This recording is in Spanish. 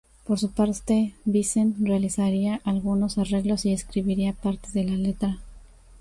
Por su parte, Vincent realizaría algunos arreglos y escribiría parte de la letra.